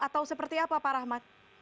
atau seperti apa pak rahmat